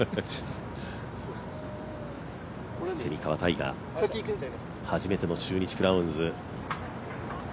蝉川泰果、初めての中日クラウンズ。